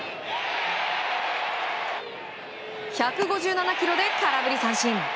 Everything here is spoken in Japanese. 更に、１５７キロで空振り三振。